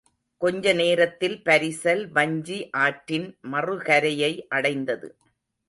கொஞ்ச நேரத்தில் பரிசல் வஞ்சி ஆற்றின் மறுகரையை அடைந்தது.